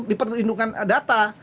di perlindungan data